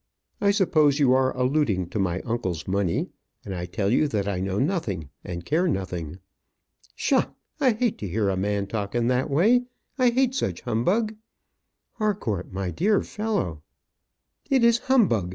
I suppose you are alluding to my uncle's money; and I tell you that I know nothing and care nothing." "Psha! I hate to hear a man talk in that way. I hate such humbug." "Harcourt, my dear fellow " "It is humbug.